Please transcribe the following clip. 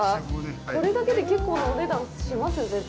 これだけで結構なお値段しますよ、絶対。